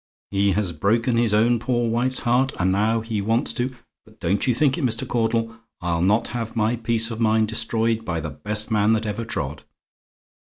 He has broken his own poor wife's heart, and now he wants to but don't you think it, Mr. Caudle; I'll not have my peace of mind destroyed by the best man that ever trod.